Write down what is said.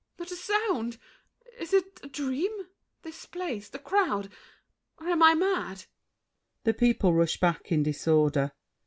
Not a sound! Is it A dream—this place? the crowd?—or am I mad? [The people rush back in disorder.